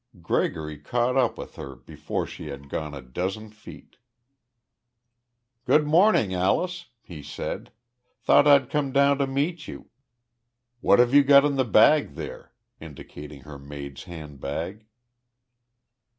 Gregory caught up with her before she had gone a dozen feet. "Good morning, Alyce," he said. "Thought I'd come down to meet you. What've you got in the bag there?" indicating her maid's handbag.